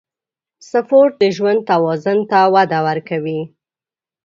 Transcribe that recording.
سپورت د ژوند توازن ته وده ورکوي.